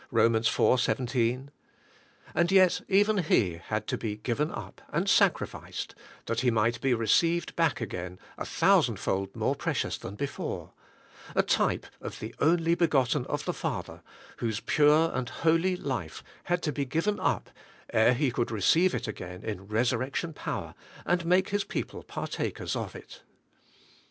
{Rom. iv, 17.) And yet even he had to be given up, and sacrificed, that he might be received back again a thousandfold more precious than before, — a type of the Only begotten of the Father, whose pure and holy life had to be given up ere He could receive it again in resurrection power, and make His people partakers of it.